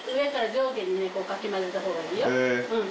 うん！